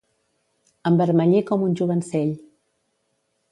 Envermellir com un jovencell.